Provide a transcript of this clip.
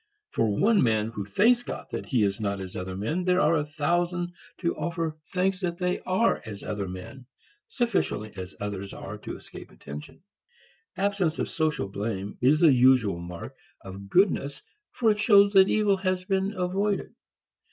For one man who thanks God that he is not as other men there are a thousand to offer thanks that they are as other men, sufficiently as others are to escape attention. Absence of social blame is the usual mark of goodness for it shows that evil has been avoided.